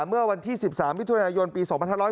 เมื่อวันที่๑๓วิทยาลัยยนตร์ปี๒๑๔๐